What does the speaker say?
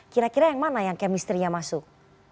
kira kira yang mana yang kemisterinya masuk